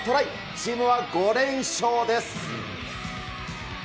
チームは５連勝です。